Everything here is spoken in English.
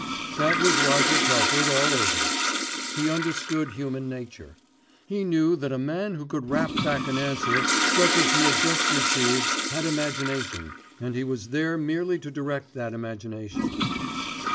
That was Roger Telford all over. He understood human nature. He knew that a man who could rap back an answer such as he had just received had imagination, and he was there merely to direct that imagination.